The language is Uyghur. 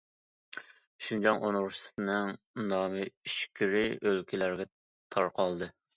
شىنجاڭ ئۇنىۋېرسىتېتىنىڭ نامى ئىچكىرى ئۆلكىلەرگە تارقالدى.